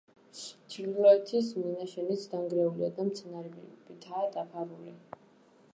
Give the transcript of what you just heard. ჩრდილოეთის მინაშენიც დანგრეულია და მცენარეებითაა დაფარული.